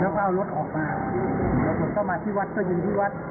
แล้วก็เอารถออกมาแล้วหมดก็มาที่วัดก็ยิงที่วัด